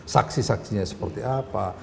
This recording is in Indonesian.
saksi saksinya seperti apa